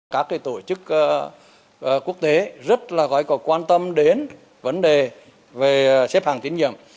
các tổ chức quốc tế rất quan tâm đến vấn đề xếp hạng tí nhiệm